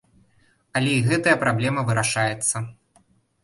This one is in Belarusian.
Але і гэта праблема вырашаецца.